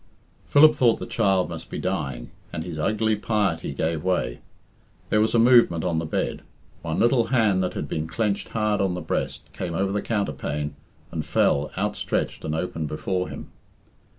Philip thought the child must be dying, and his ugly piety gave way. There was a movement on the bed. One little hand that had been clenched hard on the breast came over the counterpane and fell, outstretched and open before him.